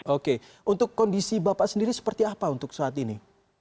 oke untuk kondisi bapak sendiri seperti apa untuk saat ini